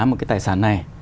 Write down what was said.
một cái tài sản này